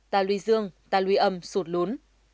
tà lùi dương tà lùi âm sụt lún